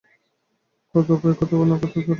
কত ভয়, কত ভাবনা, কত তারা পরাধীন।